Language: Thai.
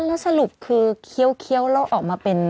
แล้วสรุปคือเคี้ยวแล้วออกมาเป็น